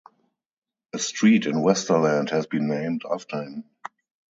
A street in Westerland has been named after him.